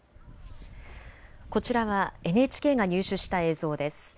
こちらはＮＨＫが入手した映像です。